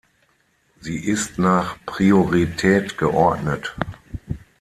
Sie ist nach Priorität geordnet.